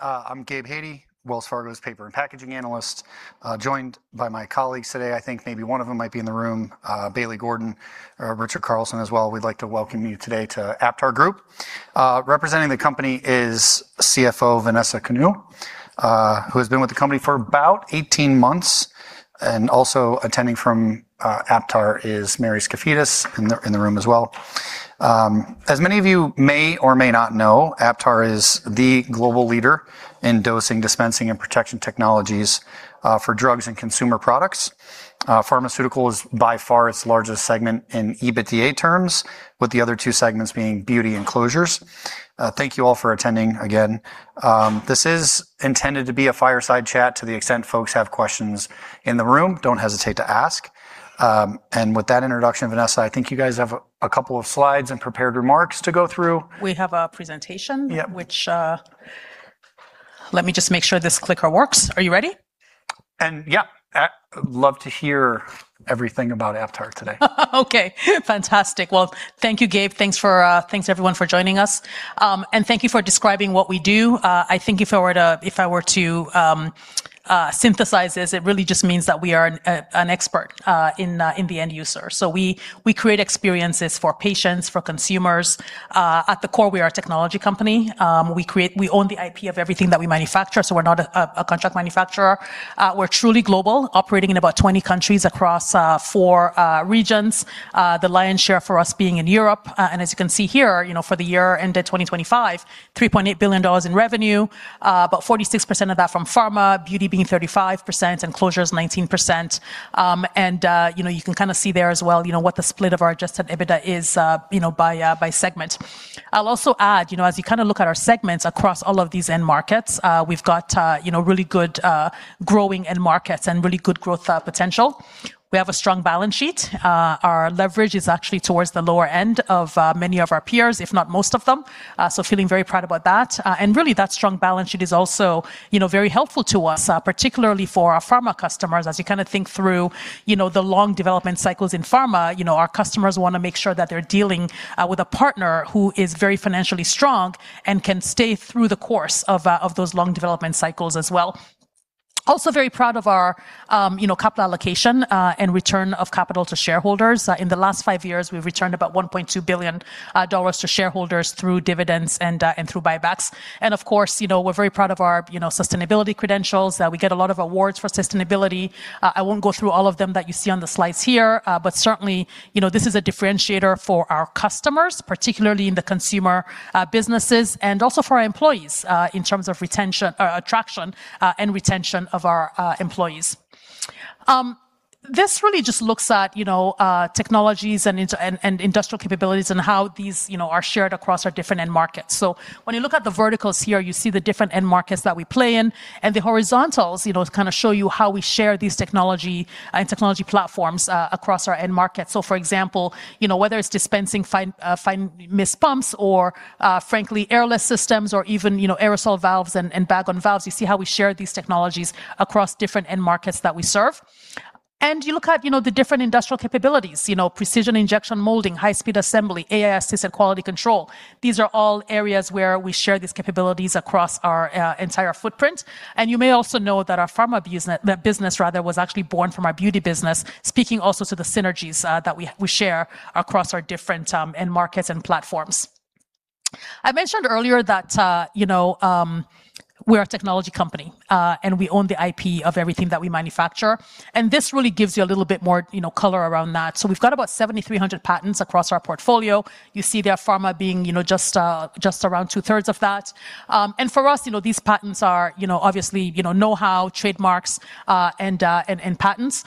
Afternoon. I'm Gabe Hajde, Wells Fargo's paper and packaging analyst, joined by my colleagues today. I think maybe one of them might be in the room, Bailey Gordon, Richard Carlson as well. We'd like to welcome you today to AptarGroup. Representing the company is CFO Vanessa Kanu, who has been with the company for about 18 months. Also attending from Aptar is Mary Skafidas, in the room as well. As many of you may or may not know, Aptar is the global leader in dosing, dispensing, and protection technologies for drugs and consumer products. Pharmaceutical is by far its largest segment in EBITDA terms, with the other two segments being beauty and closures. Thank you all for attending again. This is intended to be a fireside chat. To the extent folks have questions in the room, don't hesitate to ask. With that introduction, Vanessa, I think you guys have a couple of slides and prepared remarks to go through. We have a presentation. Yeah. Which, let me just make sure this clicker works. Are you ready? Yeah. Love to hear everything about Aptar today. Okay, fantastic. Well, thank you, Gabe. Thanks, everyone, for joining us. Thank you for describing what we do. I think if I were to synthesize this, it really just means that we are an expert in the end user. We create experiences for patients, for consumers. At the core, we are a technology company. We own the IP of everything that we manufacture, so we're not a contract manufacturer. We're truly global, operating in about 20 countries across four regions. The lion's share for us being in Europe. As you can see here, for the year ended 2025, $3.8 billion in revenue, about 46% of that from pharma, beauty being 35%, and closures 19%. You can kind of see there as well what the split of our adjusted EBITDA is by segment. I'll also add, as you look at our segments across all of these end markets, we've got really good growing end markets and really good growth potential. We have a strong balance sheet. Our leverage is actually towards the lower end of many of our peers, if not most of them. Feeling very proud about that. Really, that strong balance sheet is also very helpful to us, particularly for our pharma customers, as you think through the long development cycles in pharma. Our customers want to make sure that they're dealing with a partner who is very financially strong and can stay through the course of those long development cycles as well. Also very proud of our capital allocation and return of capital to shareholders. In the last five years, we've returned about $1.2 billion to shareholders through dividends and through buybacks. Of course, we're very proud of our sustainability credentials. We get a lot of awards for sustainability. I won't go through all of them that you see on the slides here. Certainly, this is a differentiator for our customers, particularly in the consumer businesses and also for our employees, in terms of attraction and retention of our employees. This really just looks at technologies and industrial capabilities and how these are shared across our different end markets. When you look at the verticals here, you see the different end markets that we play in, and the horizontals kind of show you how we share these technology and technology platforms across our end markets. For example, whether it's dispensing fine mist pumps or frankly airless systems or even aerosol valves and bag-on-valve, you see how we share these technologies across different end markets that we serve. You look at the different industrial capabilities, precision injection molding, high-speed assembly, AI, and quality control. These are all areas where we share these capabilities across our entire footprint. You may also know that our pharma business was actually born from our beauty business, speaking also to the synergies that we share across our different end markets and platforms. I mentioned earlier that we're a technology company, and we own the IP of everything that we manufacture, and this really gives you a little more color around that. We've got about 7,300 patents across our portfolio. You see there pharma being just around two-thirds of that. For us, these patents are obviously know-how, trademarks, and patents.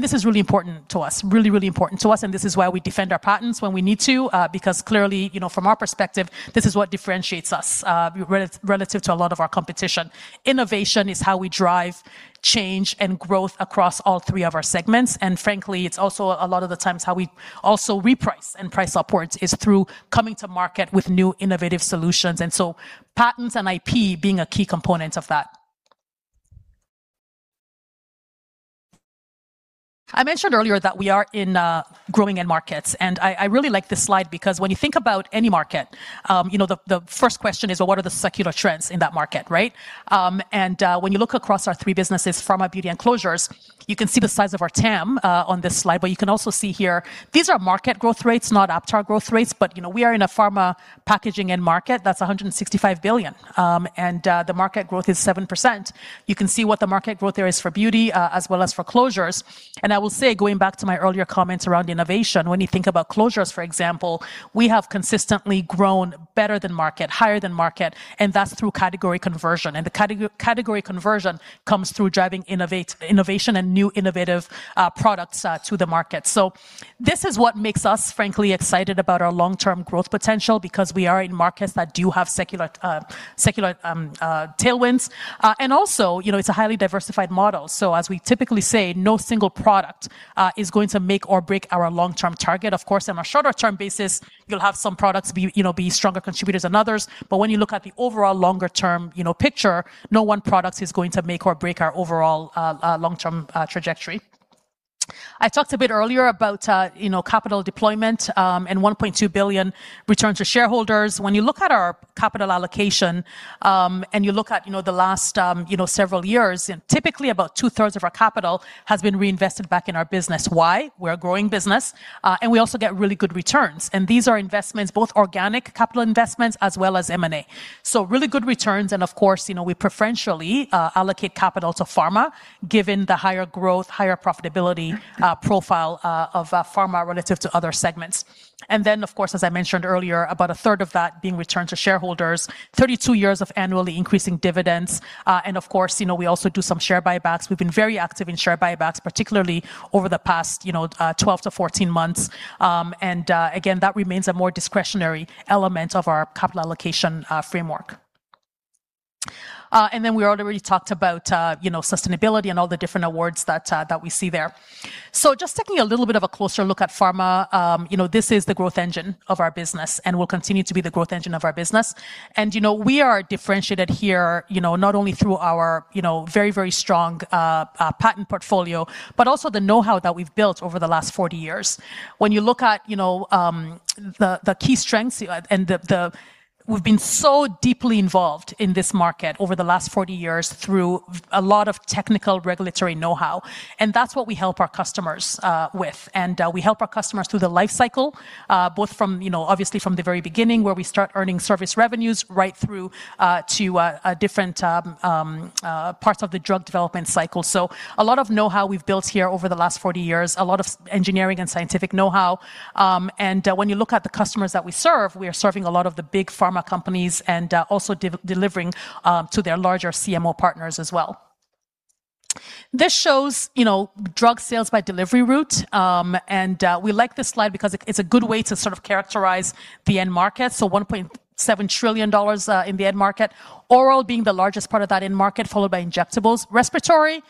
This is really important to us, and this is why we defend our patents when we need to, because clearly from our perspective, this is what differentiates us relative to a lot of our competition. Innovation is how we drive change and growth across all three of our segments. Frankly, it's also a lot of the times how we also reprice and price upwards, is through coming to market with new innovative solutions. Patents and IP being a key component of that. I mentioned earlier that we are in growing end markets, and I really like this slide because when you think about any market, the first question is, well, what are the secular trends in that market, right? When you look across our three businesses, pharma, beauty, and closures, you can see the size of our TAM on this slide. You can also see here, these are market growth rates, not Aptar growth rates. We are in a pharma packaging end market that's $165 billion, and the market growth is 7%. You can see what the market growth there is for beauty, as well as for closures. I will say, going back to my earlier comments around innovation, when you think about closures, for example, we have consistently grown better than market, higher than market, and that's through category conversion. The category conversion comes through driving innovation and new innovative products to the market. This is what makes us frankly excited about our long-term growth potential because we are in markets that do have secular tailwinds. Also, it's a highly diversified model. As we typically say, no single product is going to make or break our long-term target. Of course, on a shorter-term basis, you'll have some products be stronger contributors than others. When you look at the overall longer-term picture, no one product is going to make or break our overall long-term trajectory. I talked a bit earlier about capital deployment and $1.2 billion return to shareholders. When you look at our capital allocation, and you look at the last several years, typically about two-thirds of our capital has been reinvested back in our business. Why? We're a growing business, and we also get really good returns. These are investments, both organic capital investments as well as M&A. Really good returns, and of course, we preferentially allocate capital to pharma, given the higher growth, higher profitability profile of pharma relative to other segments. Of course, as I mentioned earlier, about a third of that being returned to shareholders, 32 years of annually increasing dividends. Of course, we also do some share buybacks. We've been very active in share buybacks, particularly over the past 12 to 14 months. Again, that remains a more discretionary element of our capital allocation framework. We already talked about sustainability and all the different awards that we see there. Just taking a little bit of a closer look at pharma. This is the growth engine of our business and will continue to be the growth engine of our business. We are differentiated here, not only through our very strong patent portfolio, but also the knowhow that we've built over the last 40 years. When you look at the key strengths, we've been so deeply involved in this market over the last 40 years through a lot of technical regulatory knowhow, and that's what we help our customers with. We help our customers through the life cycle, both from obviously from the very beginning, where we start earning service revenues right through to different parts of the drug development cycle. A lot of knowhow we've built here over the last 40 years, a lot of engineering and scientific knowhow. When you look at the customers that we serve, we are serving a lot of the big pharma companies and also delivering to their larger CMO partners as well. This shows drug sales by delivery route. We like this slide because it's a good way to characterize the end market. $1.7 trillion in the end market, oral being the largest part of that end market, followed by injectables. Respiratory,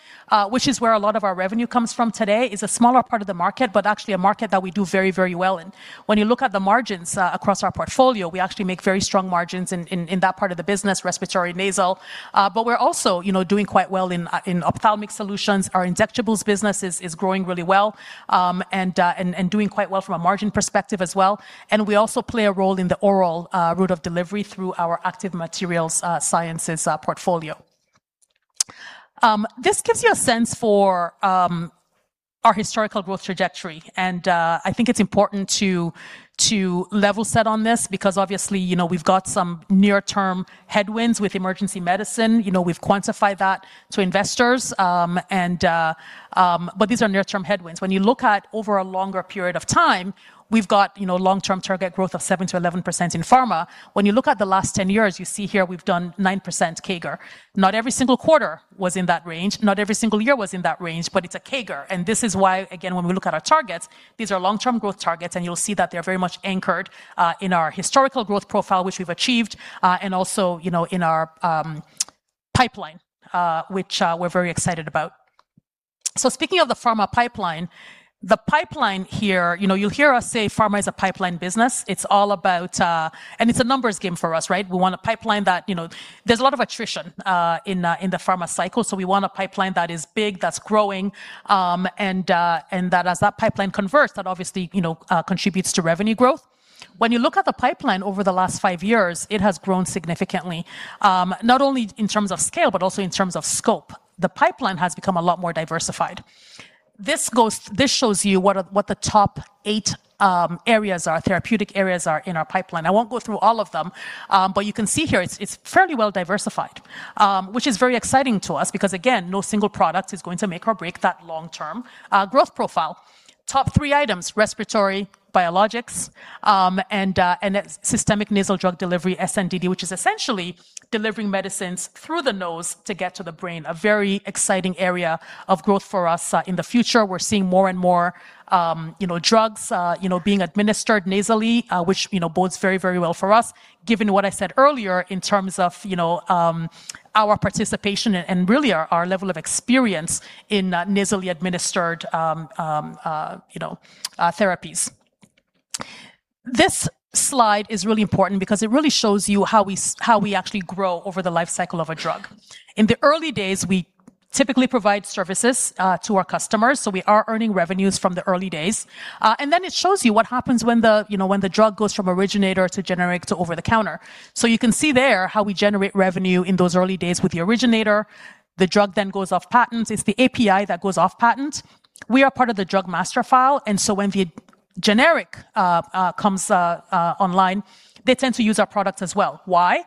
which is where a lot of our revenue comes from today, is a smaller part of the market, but actually a market that we do very well in. When you look at the margins across our portfolio, we actually make very strong margins in that part of the business, respiratory and nasal. We're also doing quite well in ophthalmic solutions. Our injectables business is growing really well, and doing quite well from a margin perspective as well. We also play a role in the oral route of delivery through our active material science portfolio. This gives you a sense for our historical growth trajectory, and I think it's important to level set on this because obviously, we've got some near-term headwinds with emergency medicine. We've quantified that to investors, these are near-term headwinds. When you look at over a longer period of time, we've got long-term target growth of 7%-11% in pharma. When you look at the last 10 years, you see here we've done 9% CAGR. Not every single quarter was in that range, not every single year was in that range, but it's a CAGR. This is why, again, when we look at our targets, these are long-term growth targets, and you'll see that they're very much anchored in our historical growth profile, which we've achieved, and also, in our pipeline, which we're very excited about. Speaking of the pharma pipeline, the pipeline here, you'll hear us say pharma is a pipeline business. It's a numbers game for us, right? There's a lot of attrition in the pharma cycle. We want a pipeline that is big, that is growing, and that as that pipeline converts, that obviously contributes to revenue growth. When you look at the pipeline over the last five years, it has grown significantly, not only in terms of scale, but also in terms of scope. The pipeline has become a lot more diversified. This shows you what the top 8 areas are, therapeutic areas are in our pipeline. I won't go through all of them, but you can see here it is fairly well diversified, which is very exciting to us because, again, no single product is going to make or break that long-term growth profile. Top three items, respiratory, biologics, and systemic nasal drug delivery, SNDD, which is essentially delivering medicines through the nose-to-brain, a very exciting area of growth for us in the future. We are seeing more and more drugs being administered nasally, which bodes very well for us given what I said earlier in terms of our participation and really our level of experience in nasally administered therapies. This slide is really important because it really shows you how we actually grow over the life cycle of a drug. In the early days, we typically provide services to our customers. We are earning revenues from the early days. Then it shows you what happens when the drug goes from originator to generic to over-the-counter. So you can see there how we generate revenue in those early days with the originator. The drug then goes off patent. It is the API that goes off patent. We are part of the Drug Master File, and so when the generic comes online, they tend to use our product as well. Why?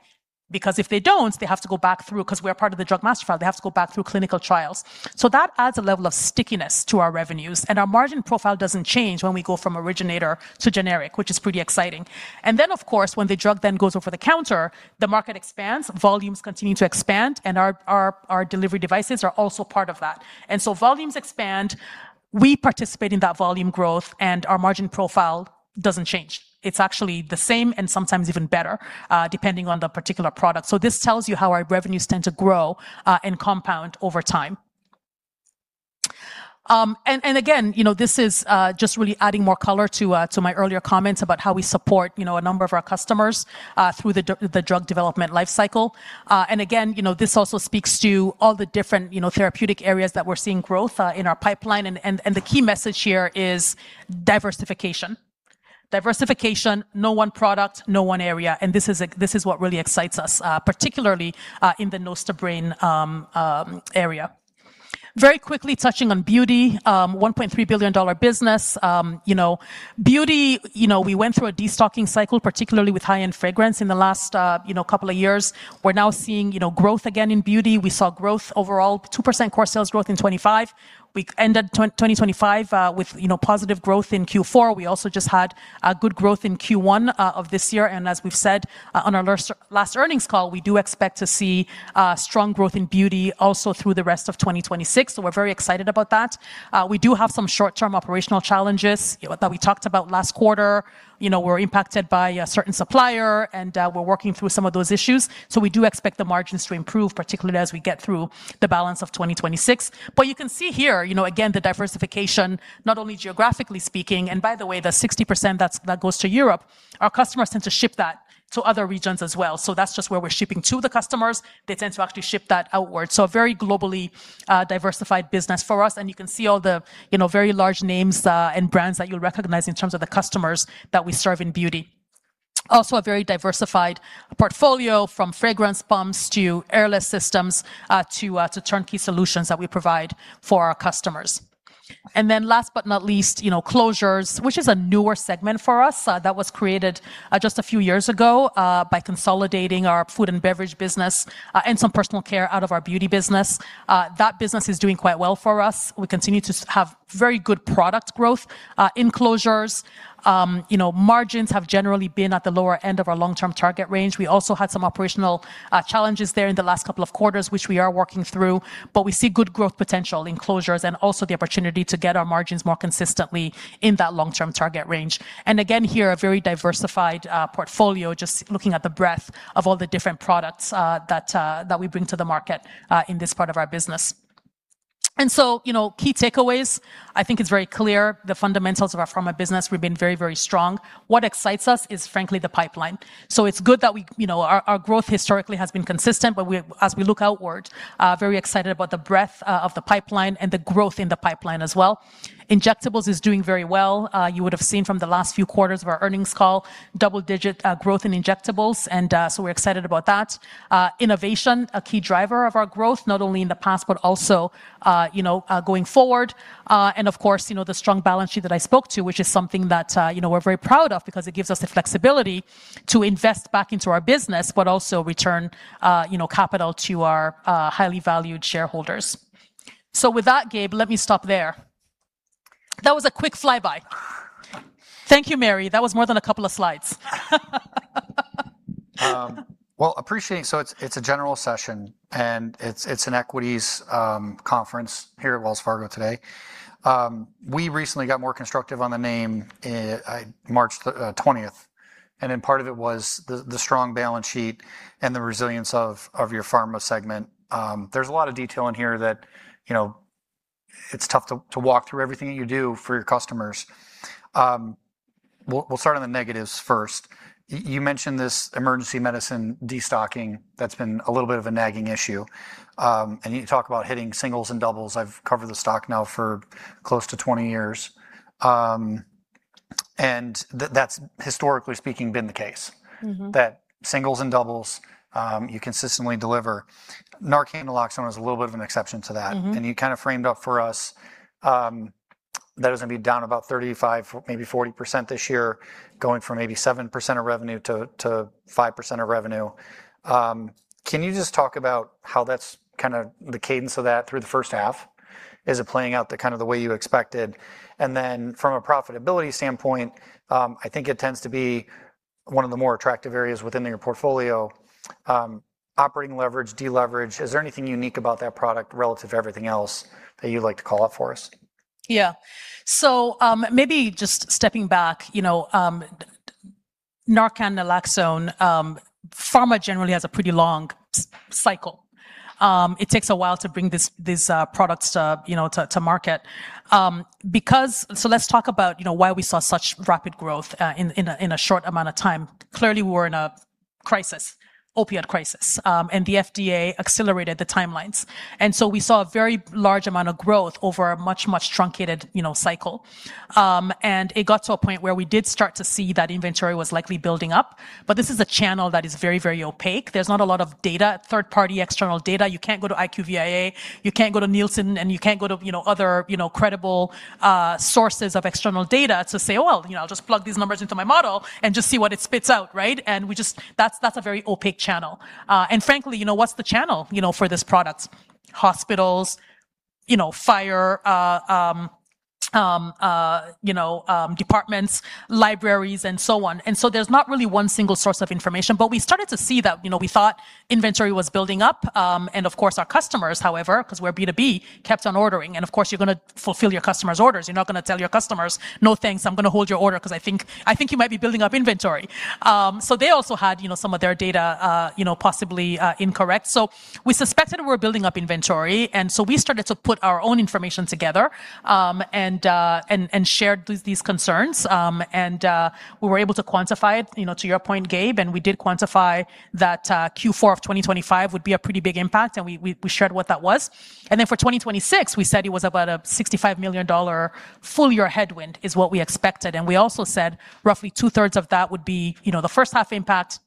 Because if they don't, they have to go back through, because we are part of the Drug Master File, they have to go back through clinical trials. That adds a level of stickiness to our revenues, and our margin profile doesn't change when we go from originator to generic, which is pretty exciting. Then, of course, when the drug then goes over the counter, the market expands, volumes continue to expand, and our delivery devices are also part of that. And so volumes expand, we participate in that volume growth, and our margin profile doesn't change. It is actually the same and sometimes even better, depending on the particular product. So this tells you how our revenues tend to grow and compound over time. Again, this is just really adding more color to my earlier comments about how we support a number of our customers through the drug development life cycle. Again, this also speaks to all the different therapeutic areas that we are seeing growth in our pipeline, and the key message here is diversification. Diversification, no one product, no one area, and this is what really excites us, particularly in the nose-to-brain area. Very quickly touching on beauty, a $1.3 billion business. Beauty, we went through a de-stocking cycle, particularly with high-end fragrance in the last couple of years. We are now seeing growth again in beauty. We saw growth overall, 2% core sales growth in 2025. We ended 2025 with positive growth in Q4. We also just had good growth in Q1 of this year. As we've said on our last earnings call, we do expect to see strong growth in beauty also through the rest of 2026. We're very excited about that. We do have some short-term operational challenges that we talked about last quarter. We're impacted by a certain supplier, and we're working through some of those issues. We do expect the margins to improve, particularly as we get through the balance of 2026. You can see here, again, the diversification, not only geographically speaking, and by the way, the 60% that goes to Europe, our customers tend to ship that to other regions as well. That's just where we're shipping to the customers. They tend to actually ship that outward. A very globally diversified business for us, and you can see all the very large names and brands that you'll recognize in terms of the customers that we serve in beauty. Also a very diversified portfolio from fragrance pumps to airless systems to turnkey solutions that we provide for our customers. Last but not least, closures, which is a newer segment for us that was created just a few years ago by consolidating our food and beverage business and some personal care out of our beauty business. That business is doing quite well for us. We continue to have very good product growth in closures. Margins have generally been at the lower end of our long-term target range. We also had some operational challenges there in the last couple of quarters, which we are working through. We see good growth potential in closures and also the opportunity to get our margins more consistently in that long-term target range. Again, here, a very diversified portfolio, just looking at the breadth of all the different products that we bring to the market in this part of our business. Key takeaways, I think it's very clear the fundamentals of our pharma business, we've been very, very strong. What excites us is frankly, the pipeline. It's good that our growth historically has been consistent, but as we look outward, very excited about the breadth of the pipeline and the growth in the pipeline as well. Injectables is doing very well. You would have seen from the last few quarters of our earnings call, double-digit growth in injectables, and so we're excited about that. Innovation, a key driver of our growth, not only in the past, but also going forward. Of course, the strong balance sheet that I spoke to, which is something that we're very proud of because it gives us the flexibility to invest back into our business, but also return capital to our highly valued shareholders. With that, Gabe, let me stop there. That was a quick flyby. Thank you, Mary. That was more than a couple of slides. Appreciate, it's a general session, it's an equities conference here at Wells Fargo today. We recently got more constructive on the name March 20th, part of it was the strong balance sheet and the resilience of your pharma segment. There's a lot of detail in here that it's tough to walk through everything that you do for your customers. We'll start on the negatives first. You mentioned this emergency medicine de-stocking, that's been a little bit of a nagging issue. You talk about hitting singles and doubles. I've covered the stock now for close to 20 years. That's historically speaking been the case. That singles and doubles, you consistently deliver. NARCAN naloxone is a little bit of an exception to that. You kind of framed up for us that it was going to be down about 35%, maybe 40% this year, going from maybe 7% of revenue to 5% of revenue. Can you just talk about how that's kind of the cadence of that through the first half? Is it playing out the way you expected? From a profitability standpoint, I think it tends to be one of the more attractive areas within your portfolio. Operating leverage, de-leverage. Is there anything unique about that product relative to everything else that you'd like to call out for us? Maybe just stepping back, NARCAN naloxone, pharma generally has a pretty long cycle. It takes a while to bring these products to market. Let's talk about why we saw such rapid growth in a short amount of time. Clearly, we were in a crisis, opiate crisis, and the FDA accelerated the timelines. We saw a very large amount of growth over a much, much truncated cycle. It got to a point where we did start to see that inventory was likely building up. This is a channel that is very, very opaque. There's not a lot of data, third-party external data. You can't go to IQVIA, you can't go to Nielsen, you can't go to other credible sources of external data to say, "I'll just plug these numbers into my model and just see what it spits out," right? That's a very opaque channel. Frankly, what's the channel for this product? Hospitals, fire departments, libraries, and so on. There's not really one single source of information. We started to see that we thought inventory was building up, and of course, our customers, however, because we're B2B, kept on ordering, and of course, you're going to fulfill your customer's orders. You're not going to tell your customers, "No thanks, I'm going to hold your order because I think you might be building up inventory." They also had some of their data possibly incorrect. We suspected we were building up inventory, and we started to put our own information together, and shared these concerns. We were able to quantify it, to your point, Gabe, and we did quantify that Q4 of 2025 would be a pretty big impact, and we shared what that was. Then for 2026, we said it was about a $65 million full year headwind is what we expected. We also said roughly two-thirds of that would be the first-half impact,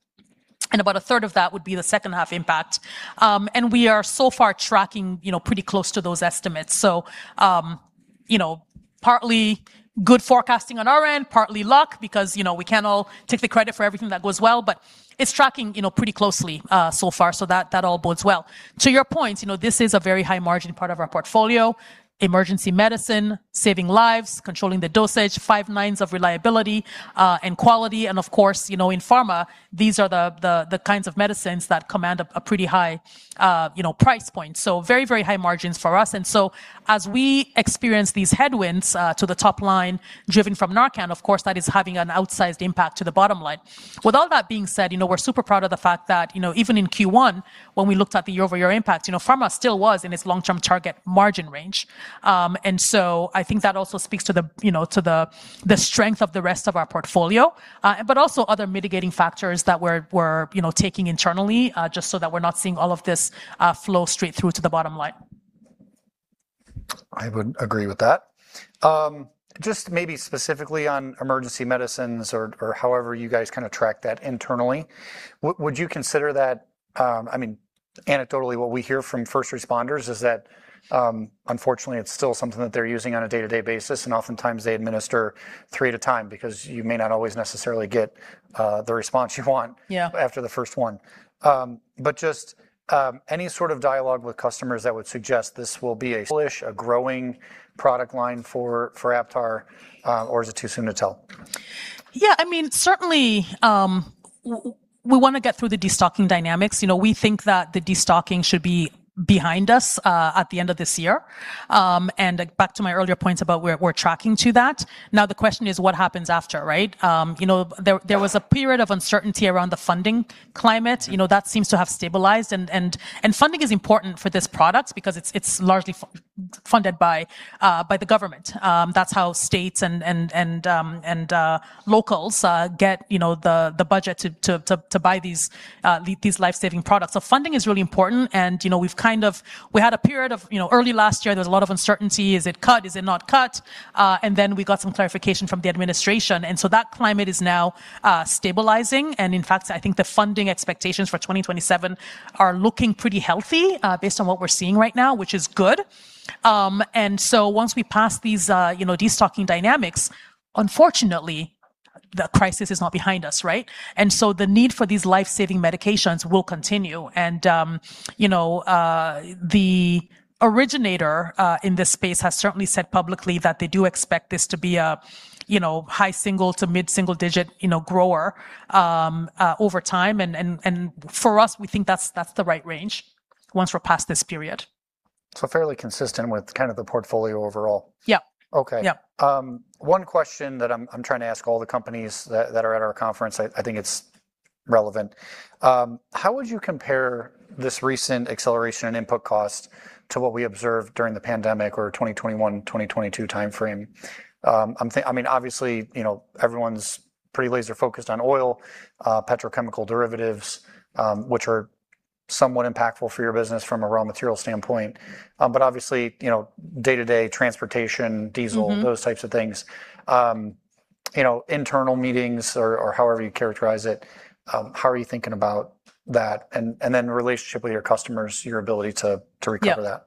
and about a third of that would be the second-half impact. We are so far tracking pretty close to those estimates. Partly good forecasting on our end, partly luck because we can't all take the credit for everything that goes well, but it's tracking pretty closely so far. That all bodes well. To your point, this is a very high-margin part of our portfolio, emergency medicine, saving lives, controlling the dosage, five nines of reliability, and quality. Of course, in pharma, these are the kinds of medicines that command a pretty high price point. Very high margins for us. As we experience these headwinds to the top line driven from NARCAN, of course, that is having an outsized impact to the bottom line. With all that being said, we're super proud of the fact that even in Q1, when we looked at the year-over-year impacts, pharma still was in its long-term target margin range. I think that also speaks to the strength of the rest of our portfolio. Also other mitigating factors that we're taking internally, just so that we're not seeing all of this flow straight through to the bottom line. I would agree with that. Just maybe specifically on emergency medicines or however you guys track that internally, would you consider that anecdotally, what we hear from first responders is that, unfortunately, it's still something that they're using on a day-to-day basis, and oftentimes they administer three at a time because you may not always necessarily get the response you want. Yeah After the first one. Just any sort of dialogue with customers that would suggest this will be a growing product line for Aptar, or is it too soon to tell? Certainly, we want to get through the destocking dynamics. We think that the destocking should be behind us at the end of this year. Back to my earlier points about we're tracking to that. The question is what happens after, right? There was a period of uncertainty around the funding climate, that seems to have stabilized. Funding is important for this product because it's largely funded by the government. That's how states and locals get the budget to buy these lifesaving products. Funding is really important and we had a period of early last year, there was a lot of uncertainty. Is it cut, is it not cut? Then we got some clarification from the administration. That climate is now stabilizing, and in fact, I think the funding expectations for 2027 are looking pretty healthy based on what we're seeing right now, which is good. Once we pass these destocking dynamics, unfortunately, the crisis is not behind us, right? The need for these lifesaving medications will continue. The originator in this space has certainly said publicly that they do expect this to be a high single to mid-single digit grower over time. For us, we think that's the right range once we're past this period. Fairly consistent with the portfolio overall. Yeah. Okay. Yeah. One question that I'm trying to ask all the companies that are at our conference, I think it's relevant. How would you compare this recent acceleration in input cost to what we observed during the pandemic or 2021, 2022 timeframe? Obviously, everyone's pretty laser-focused on oil, petrochemical derivatives, which are somewhat impactful for your business from a raw material standpoint. But obviously, day-to-day transportation. Those types of things, internal meetings or however you characterize it. How are you thinking about that? Then relationship with your customers, your ability to recover that.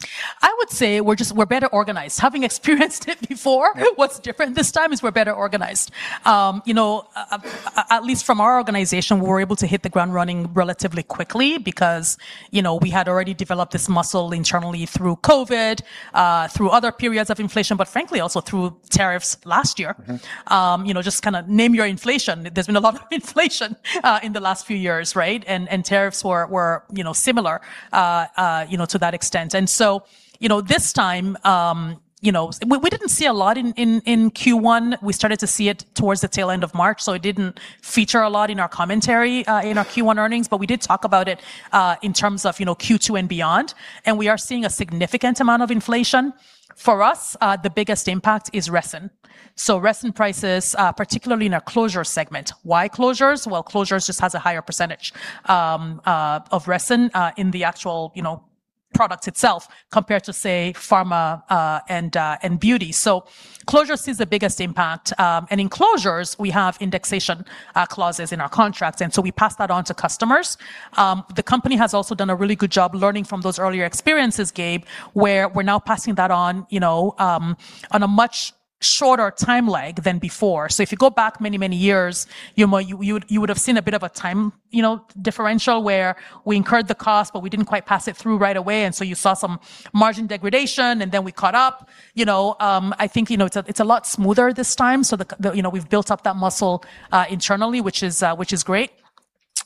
Yeah. I would say we're better organized. Having experienced it before, what's different this time is we're better organized. At least from our organization, we were able to hit the ground running relatively quickly because we had already developed this muscle internally through COVID, through other periods of inflation. Frankly, also through tariffs last year. Just name your inflation. There's been a lot of inflation in the last few years, right? Tariffs were similar to that extent. This time, we didn't see a lot in Q1. We started to see it towards the tail end of March. It didn't feature a lot in our commentary in our Q1 earnings. We did talk about it in terms of Q2 and beyond. We are seeing a significant amount of inflation. For us, the biggest impact is resin. Resin prices, particularly in our closure segment. Why closures? Well, closures just has a higher percentage of resin in the actual product itself compared to, say, pharma and beauty. Closures sees the biggest impact. In closures, we have indexation clauses in our contracts. We pass that on to customers. The company has also done a really good job learning from those earlier experiences, Gabe, where we're now passing that on a much shorter time lag than before. If you go back many years, you would've seen a bit of a time differential where we incurred the cost, but we didn't quite pass it through right away, you saw some margin degradation, then we caught up. I think it's a lot smoother this time. We've built up that muscle internally, which is great.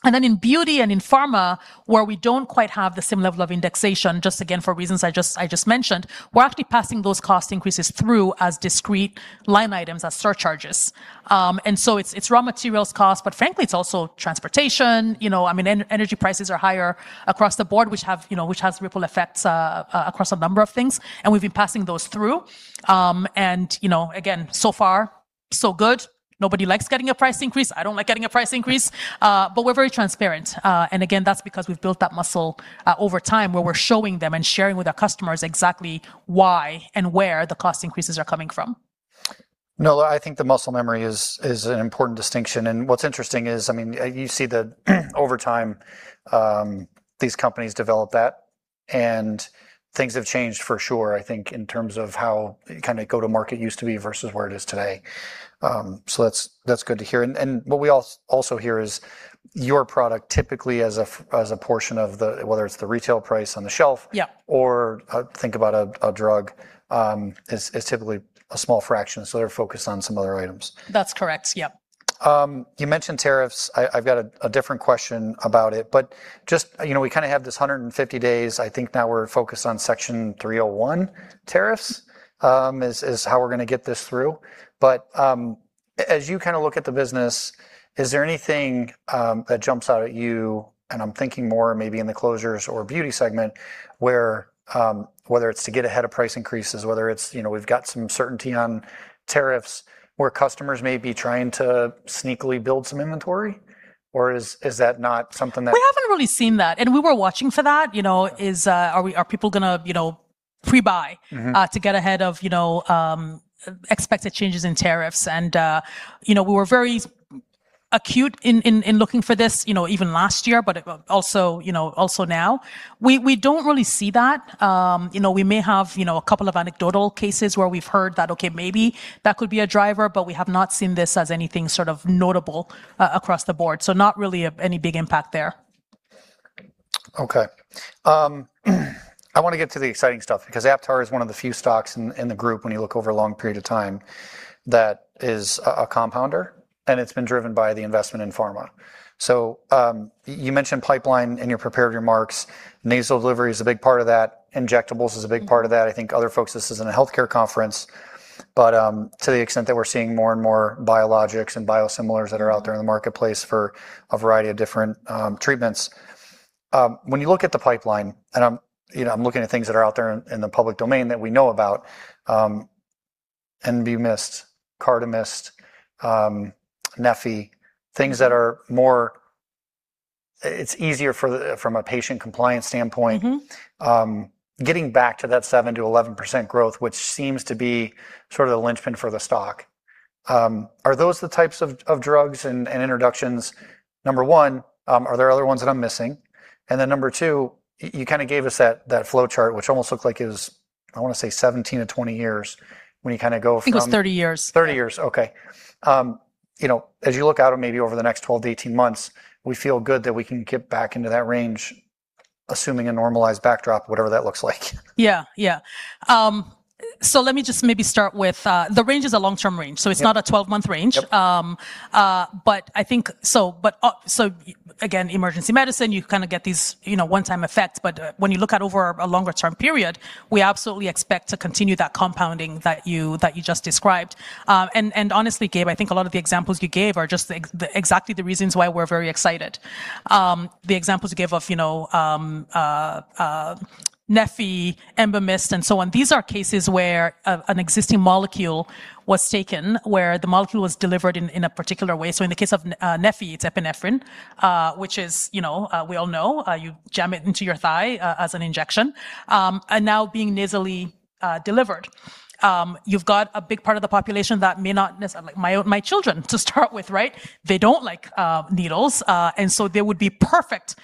In beauty and in pharma, where we don't quite have the same level of indexation, just again for reasons I just mentioned, we're actually passing those cost increases through as discrete line items, as surcharges. It's raw materials cost, but frankly, it's also transportation. Energy prices are higher across the board, which has ripple effects across a number of things, and we've been passing those through. Again, so far, so good. Nobody likes getting a price increase. I don't like getting a price increase. We're very transparent. Again, that's because we've built that muscle over time where we're showing them and sharing with our customers exactly why and where the cost increases are coming from. Nola, I think the muscle memory is an important distinction. What's interesting is, you see that over time these companies develop that, things have changed for sure, I think, in terms of how go-to-market used to be versus where it is today. That's good to hear. What we also hear is your product typically as a portion of the, whether it's the retail price on the shelf- Yeah or think about a drug, is typically a small fraction. They're focused on some other items. That's correct. Yep. You mentioned tariffs. I've got a different question about it. Just we kind of have this 150 days, I think now we're focused on Section 301 tariffs, is how we're going to get this through. As you look at the business, is there anything that jumps out at you, and I'm thinking more maybe in the closures or Beauty segment, where whether it's to get ahead of price increases, whether it's we've got some certainty on tariffs, where customers may be trying to sneakily build some inventory, or is that not something that- We haven't really seen that, we were watching for that, are people going to pre-buy? to get ahead of expected changes in tariffs. We were very acute in looking for this even last year, but also now. We don't really see that. We may have a couple of anecdotal cases where we've heard that, okay, maybe that could be a driver, but we have not seen this as anything sort of notable across the board. Not really any big impact there. Okay. I want to get to the exciting stuff, because Aptar is one of the few stocks in the group when you look over a long period of time that is a compounder, and it's been driven by the investment in pharma. You mentioned pipeline in your prepared remarks. Nasal delivery is a big part of that. Injectables is a big part of that. I think other folks, this isn't a healthcare conference, but to the extent that we're seeing more and more biologics and biosimilars that are out there in the marketplace for a variety of different treatments. When you look at the pipeline, and I'm looking at things that are out there in the public domain that we know about, Envy Mist, Cardemyst, neffy. It's easier from a patient compliance standpoint. Getting back to that 7%-11% growth, which seems to be sort of the linchpin for the stock. Are those the types of drugs and introductions, number one, are there other ones that I'm missing? Number two, you kind of gave us that flowchart, which almost looked like it was, I want to say 17-20 years when you kind of go from. I think it was 30 years. 30 years. Okay. As you look out at maybe over the next 12-18 months, we feel good that we can get back into that range, assuming a normalized backdrop, whatever that looks like. Yeah. Let me just maybe start with, the range is a long-term range. Yeah. It's not a 12-month range. Yep. Again, emergency medicine, you kind of get these one-time effects, but when you look out over a longer term period, we absolutely expect to continue that compounding that you just described. Honestly, Gabe, I think a lot of the examples you gave are just exactly the reasons why we're very excited. The examples you gave of neffy, Embymist, and so on, these are cases where an existing molecule was taken, where the molecule was delivered in a particular way. In the case of neffy, it's epinephrine, which we all know, you jam it into your thigh as an injection. Now being nasally delivered. You've got a big part of the population that may not necessarily, my children, to start with. They don't like needles. So they would be perfect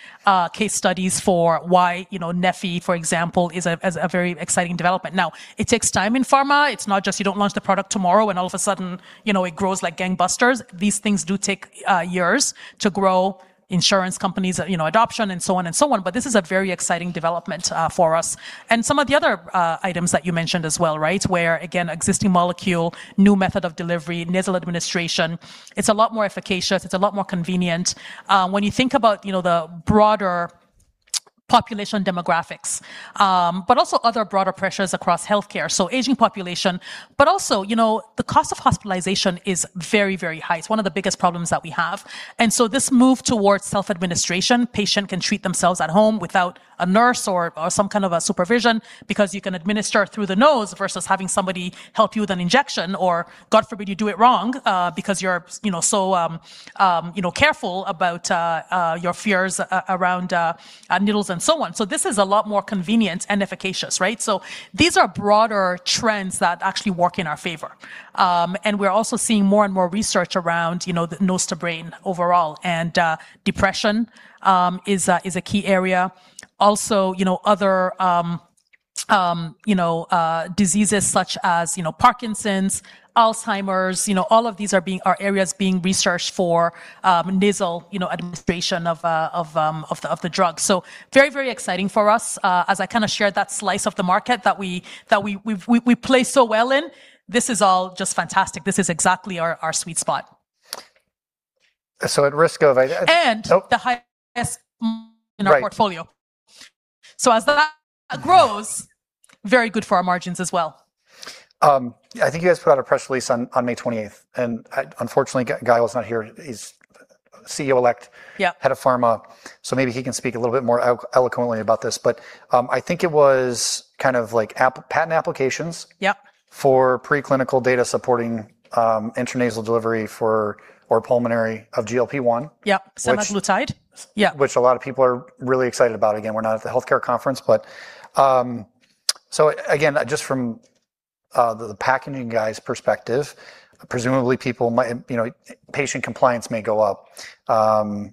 case studies for why neffy, for example, is a very exciting development. Now, it takes time in pharma. It's not just you don't launch the product tomorrow, all of a sudden it grows like gangbusters. These things do take years to grow, insurance companies, adoption, and so on. This is a very exciting development for us. Some of the other items that you mentioned as well. Again, existing molecule, new method of delivery, nasal administration. It's a lot more efficacious. It's a lot more convenient. When you think about the broader population demographics, also other broader pressures across healthcare. Aging population, also, the cost of hospitalization is very, very high. It's one of the biggest problems that we have. This move towards self-administration, patient can treat themselves at home without a nurse or some kind of a supervision because you can administer through the nose versus having somebody help you with an injection, or God forbid you do it wrong, because you're so careful about your fears around needles and so on. This is a lot more convenient and efficacious. These are broader trends that actually work in our favor. We're also seeing more and more research around the nose-to-brain overall, and depression is a key area. Also, other diseases such as Parkinson's, Alzheimer's, all of these are areas being researched for nasal administration of the drugs. Very, very exciting for us. As I kind of shared that slice of the market that we play so well in, this is all just fantastic. This is exactly our sweet spot. At risk of. The highest in our portfolio. Right. As that grows, very good for our margins as well. I think you guys put out a press release on May 20th, and unfortunately, Gael's not here. He's CEO-elect. Yeah head of pharma. Maybe he can speak a little bit more eloquently about this. I think it was kind of like patent applications. Yep for pre-clinical data supporting intranasal delivery for, or pulmonary of GLP-1. Yep. semaglutide? Yeah. Which a lot of people are really excited about. Again, we're not at the healthcare conference. Just from the packaging guys' perspective, presumably patient compliance may go up.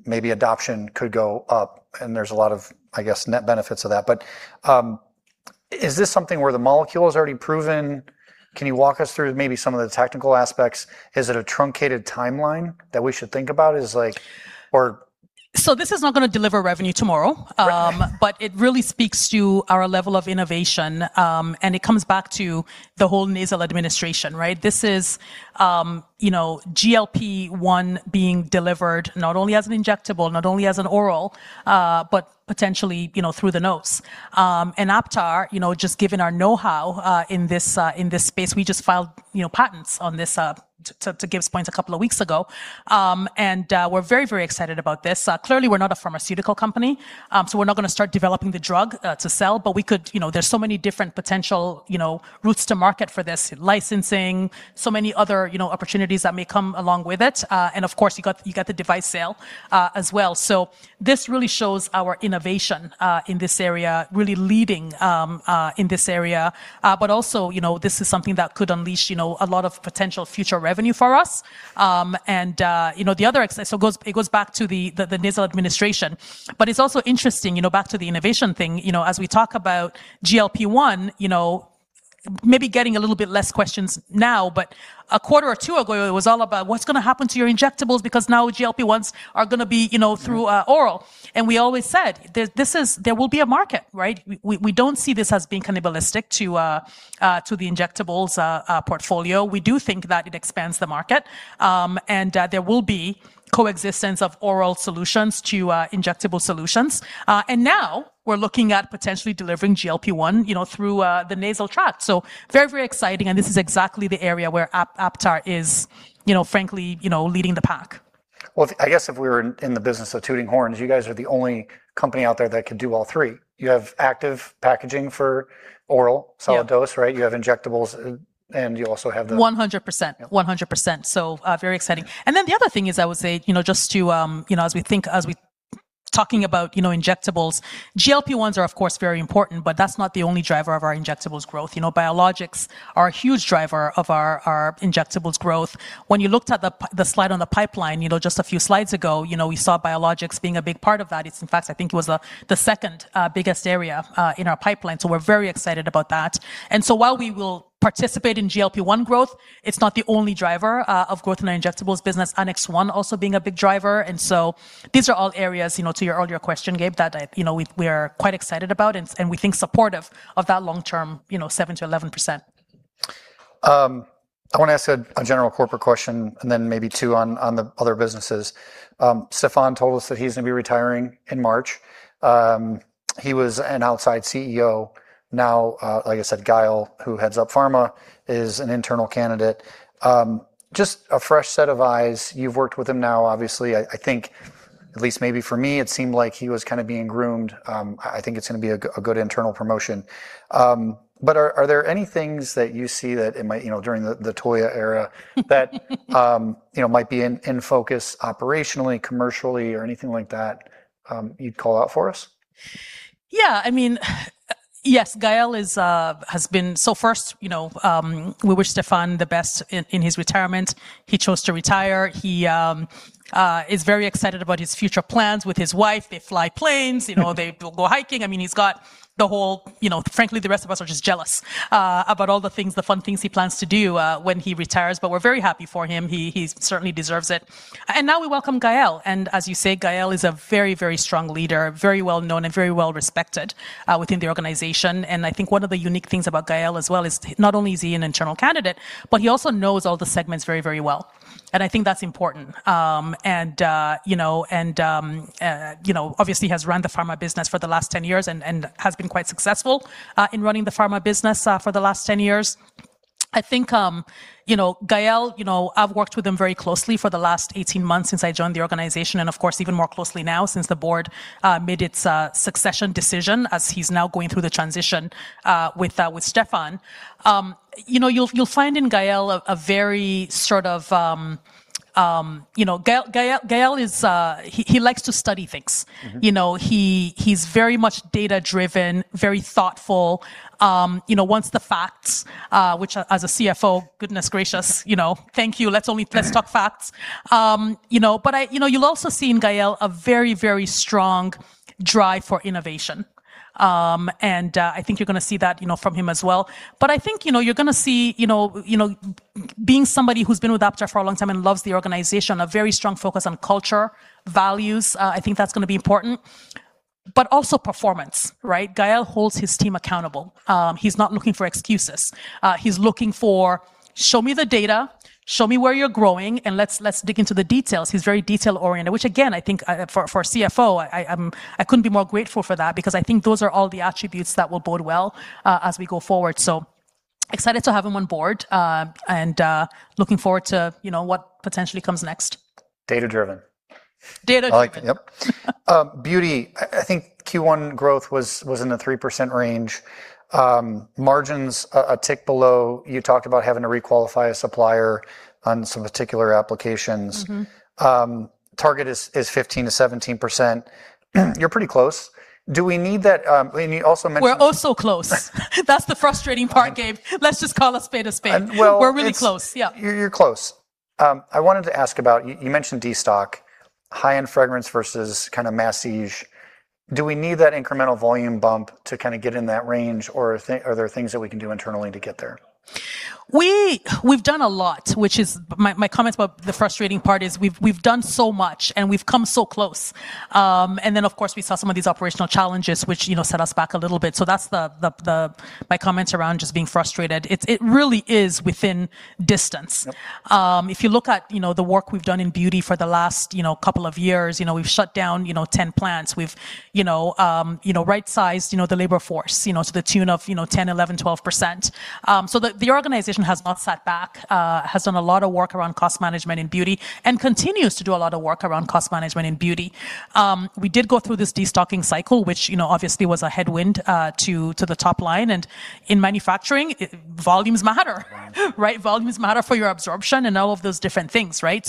Maybe adoption could go up. There's a lot of, I guess, net benefits of that. Is this something where the molecule is already proven? Can you walk us through maybe some of the technical aspects? Is it a truncated timeline that we should think about? This is not going to deliver revenue tomorrow. Right It really speaks to our level of innovation. It comes back to the whole nasal administration, right? This is GLP-1 being delivered not only as an injectable, not only as an oral, but potentially, through the nose. Aptar, just given our knowhow in this space, we just filed patents on this to give us points a couple of weeks ago. We're very excited about this. Clearly, we're not a pharmaceutical company, so we're not going to start developing the drug to sell. There's so many different potential routes to market for this. Licensing, so many other opportunities that may come along with it. Of course, you got the device sale, as well. This really shows our innovation in this area, really leading in this area. Also, this is something that could unleash a lot of potential future revenue for us. The other aspect, it goes back to the nasal administration. It's also interesting, back to the innovation thing, as we talk about GLP-1, maybe getting a little bit less questions now, but a quarter or two ago it was all about what's going to happen to your injectables because now GLP-1s are going to be through oral. We always said, there will be a market, right? We don't see this as being cannibalistic to the injectables portfolio. We do think that it expands the market. There will be coexistence of oral solutions to injectable solutions. Now we're looking at potentially delivering GLP-1 through the nasal tract. Very exciting. This is exactly the area where Aptar is frankly leading the pack. I guess if we were in the business of tooting horns, you guys are the only company out there that could do all three. You have active packaging for oral- Yeah solid dose, right? You have injectables, and you also have the- 100%. Yeah. 100%. Very exciting. The other thing is, I would say, just as we're talking about injectables, GLP-1s are of course very important, but that's not the only driver of our injectables growth. Biologics are a huge driver of our injectables growth. When you looked at the slide on the pipeline just a few slides ago, we saw Biologics being a big part of that. In fact, I think it was the second biggest area in our pipeline, so we're very excited about that. While we will participate in GLP-1 growth, it's not the only driver of growth in our injectables business, Annex 1 also being a big driver. These are all areas, to your earlier question, Gabe, that we are quite excited about and we think supportive of that long term, 7%-11%. I want to ask a general corporate question and then maybe two on the other businesses. Stephan told us that he's going to be retiring in March. He was an outside CEO. Now, like I said, Gael, who heads up pharma, is an internal candidate. Just a fresh set of eyes. You've worked with him now, obviously. I think, at least maybe for me, it seemed like he was kind of being groomed. I think it's going to be a good internal promotion. Are there any things that you see that, during the Touya era- that might be in focus operationally, commercially, or anything like that you'd call out for us? Yeah. I mean, yes. First, we wish Stephan the best in his retirement. He chose to retire. He is very excited about his future plans with his wife. They fly planes. They go hiking. I mean, Frankly, the rest of us are just jealous about all the fun things he plans to do when he retires, but we are very happy for him. He certainly deserves it. Now we welcome Gael, and as you say, Gael is a very strong leader, very well-known and very well-respected within the organization. I think one of the unique things about Gael as well is not only is he an internal candidate, but he also knows all the segments very well. I think that is important. Obviously has run the pharma business for the last 10 years and has been quite successful in running the pharma business for the last 10 years. I think, Gael, I have worked with him very closely for the last 18 months since I joined the organization. Of course, even more closely now since the board made its succession decision, as he is now going through the transition with Stephan. You will find in Gael likes to study things. He is very much data-driven, very thoughtful, wants the facts, which as a CFO, goodness gracious, thank you. Yeah Let us talk facts. You will also see in Gael a very strong drive for innovation. I think you are going to see that from him as well. I think you are going to see, being somebody who has been with Aptar for a long time and loves the organization, a very strong focus on culture, values. I think that is going to be important. Also performance, right? Gael holds his team accountable. He is not looking for excuses. He is looking for, "Show me the data, show me where you are growing, and let us dig into the details." He is very detail-oriented, which again, I think for a CFO, I could not be more grateful for that, because I think those are all the attributes that will bode well as we go forward. Excited to have him on board, and looking forward to what potentially comes next. Data-driven. Data-driven. I like it, yep. Beauty, I think Q1 growth was in the 3% range. Margins, a tick below. You talked about having to re-qualify a supplier on some particular applications. Target is 15%-17%. You're pretty close. Do we need that? We're oh-so-close. That's the frustrating part, Gabe. Let's just call a spade a spade. Well. We're really close, yeah. You're close. I wanted to ask about, you mentioned de-stock, high-end fragrance versus kind of massage. Do we need that incremental volume bump to kind of get in that range, or are there things that we can do internally to get there? We've done a lot, which is my comment about the frustrating part is we've done so much, and we've come so close. Then, of course, we saw some of these operational challenges which set us back a little bit. That's my comment around just being frustrated. It really is within distance. Yep. If you look at the work we've done in beauty for the last couple of years, we've shut down 10 plants. We've right-sized the labor force to the tune of 10%, 11%, 12%. The organization has not sat back, has done a lot of work around cost management in beauty, and continues to do a lot of work around cost management in beauty. We did go through this de-stocking cycle, which obviously was a headwind to the top line, and in manufacturing, volumes matter. Right. Volumes matter for your absorption and all of those different things, right?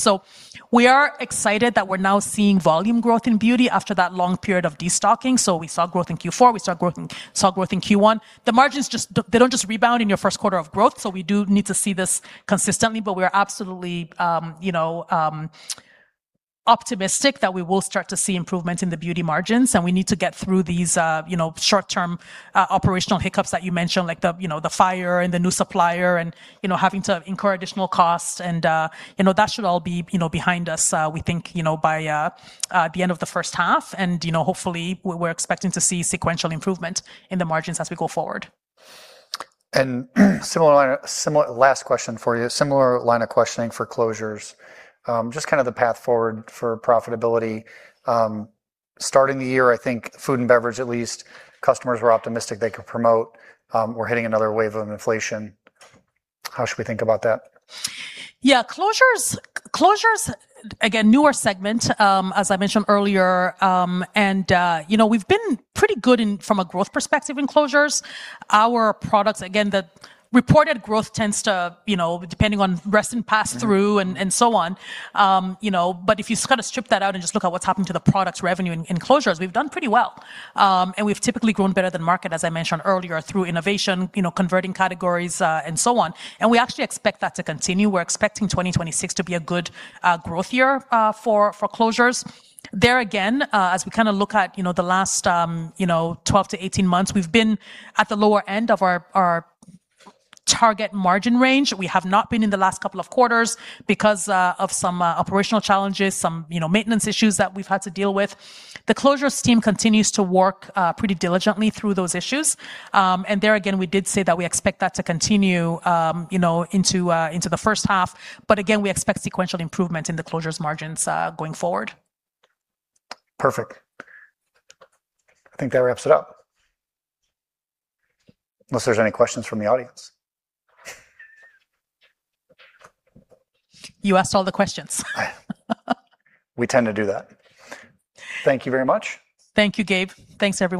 We are excited that we're now seeing volume growth in beauty after that long period of de-stocking. We saw growth in Q4. We saw growth in Q1. The margins, they don't just rebound in your first quarter of growth, we do need to see this consistently, but we're absolutely optimistic that we will start to see improvement in the beauty margins, and we need to get through these short-term operational hiccups that you mentioned, like the fire and the new supplier and having to incur additional costs, that should all be behind us, we think, by the end of the first half. Hopefully, we're expecting to see sequential improvement in the margins as we go forward. Last question for you, similar line of questioning for closures, just kind of the path forward for profitability. Starting the year, I think, food and beverage, at least, customers were optimistic they could promote. We're hitting another wave of inflation. How should we think about that? Yeah. Closures, again, newer segment, as I mentioned earlier. We've been pretty good from a growth perspective in closures. Our products, again, the reported growth tends to, depending on rest and pass-through- and so on. If you kind of strip that out and just look at what's happened to the products revenue in closures, we've done pretty well. We've typically grown better than market, as I mentioned earlier, through innovation, converting categories, and so on. We actually expect that to continue. We're expecting 2026 to be a good growth year for closures. There again, as we kind of look at the last 12 to 18 months, we've been at the lower end of our target margin range. We have not been in the last couple of quarters because of some operational challenges, some maintenance issues that we've had to deal with. The closures team continues to work pretty diligently through those issues. There again, we did say that we expect that to continue into the first half. Again, we expect sequential improvement in the closures margins going forward. Perfect. I think that wraps it up. Unless there's any questions from the audience You asked all the questions. We tend to do that. Thank you very much. Thank you, Gabe. Thanks, everyone.